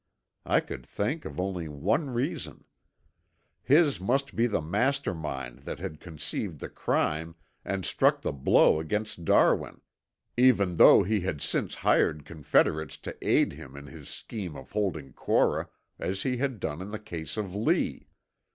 I could think of only one reason. His must be the master mind that had conceived the crime and struck the blow against Darwin, even though he had since hired confederates to aid him in his scheme of holding Cora, as he had done in the case of Lee.